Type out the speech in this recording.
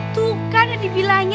tuh kan ada di bilanya